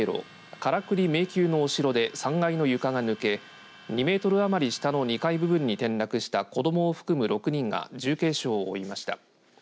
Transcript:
カラクリ迷宮のお城で３階の床が抜け２メートル余り下の２階部分に転落した子どもを含む６人が重軽傷を負いました。